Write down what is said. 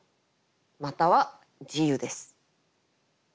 または自由です。